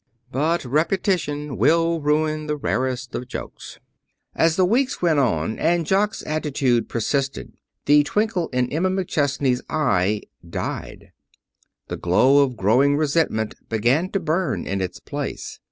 But repetition will ruin the rarest of jokes. As the weeks went on and Jock's attitude persisted, the twinkle in Emma McChesney's eye died. The glow of growing resentment began to burn in its place.